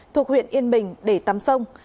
thuộc huyện yên bình để tắm sông